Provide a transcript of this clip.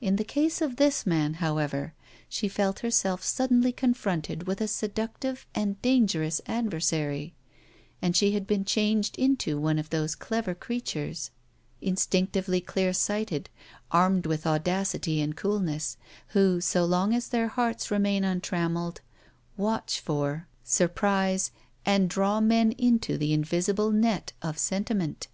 In the case of this man, however, she felt herself suddenly confronted with a seductive and dangerous adversary; and she had been changed into one of those clever creatures, instinctively clear sighted, armed with audacity and coolness, who, so long as their hearts remain untrammeled, watch for, surprise, and draw men into the invisible net of sentiment.